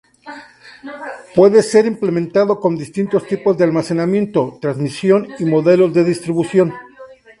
Puede ser implementado con distintos tipos de almacenamiento, transmisión y modelos de distribución.